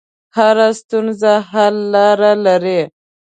هره ستونزه حل لاره لري.